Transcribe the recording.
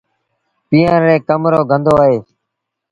پيٚئڻ ري ڪم رو ڪوندو رهي۔